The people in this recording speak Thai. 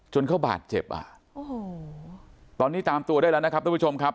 เขาบาดเจ็บอ่ะโอ้โหตอนนี้ตามตัวได้แล้วนะครับทุกผู้ชมครับ